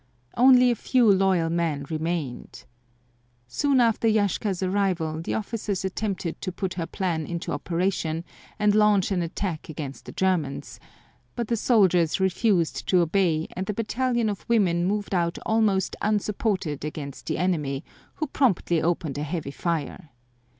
Only a few loyal men remained. Soon after Yashka's arrival the officers attempted to put her plan into operation and launch an attack against the Germans, but the soldiers refused to obey and the battalion of women moved out almost unsupported against the enemy, who promptly opened a heavy fire.